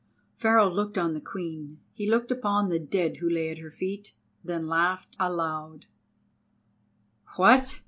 Pharaoh looked on the Queen—he looked upon the dead who lay at her feet, then laughed aloud: "What!"